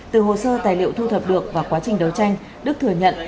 từ hồ sơ tài liệu thu thập được và quá trình đấu tranh đức thừa nhận